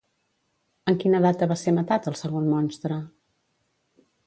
En quina data va ser matat el segon monstre?